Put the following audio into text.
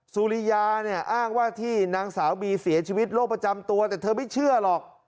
สุริยาเนี่ยอ้างว่าที่นางสาวบีเสียชีวิตโรคประจำตัวแต่เธอไม่เชื่อหรอก